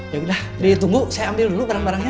ya udah ditunggu saya ambil dulu barang barangnya